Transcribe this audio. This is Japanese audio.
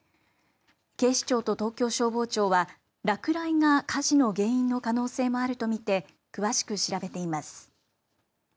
警視庁と東京消防庁は落雷が火事の原因の可能性もあると見て詳しく調べています。